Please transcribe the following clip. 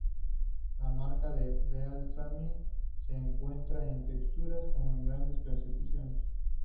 La marca de Beltrami se encuentra en texturas con grandes percusiones.